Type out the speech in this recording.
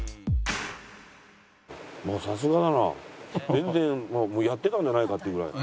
全然やってたんじゃないかっていうぐらい。